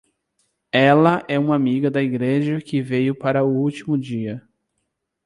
Ela é uma amiga da igreja que veio para o último dia.